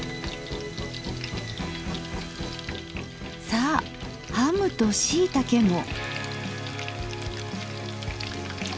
さあハムとしいたけも。